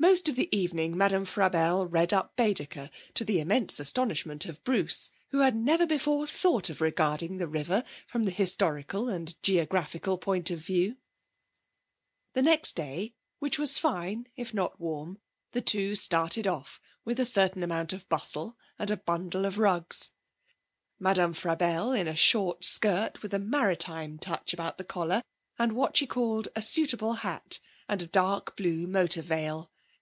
Most of the evening Madame Frabelle read up Baedeker, to the immense astonishment of Bruce, who had never before thought of regarding the river from the historical and geographical point of view. The next day, which was fine, if not warm, the two started off with a certain amount of bustle and a bundle of rugs, Madame Frabelle in a short skirt with a maritime touch about the collar and what she called a suitable hat and a dark blue motor veil.